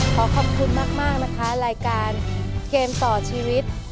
ขอขอบคุณมากนะคะรายการเกมต่อชีวิต